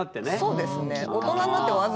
そうですね。